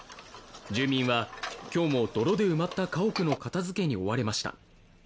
住民は今日も泥で埋まった家屋の片づけに追われました。